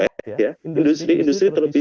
tetapi diproduksi oleh industri industri tersebut